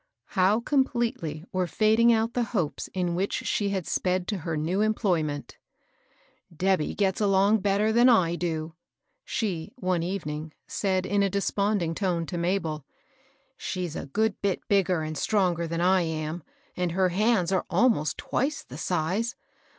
How com pletely were fading out the hopes in which she had sped to her new employment !" Debby gets along better than I do," she, one evening, said in desponding tone to Mabel. *' She's a good bit bigger and stronger than I am, and her hands are almost twice the size.